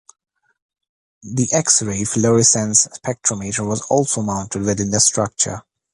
The X-ray fluorescence spectrometer was also mounted within the structure.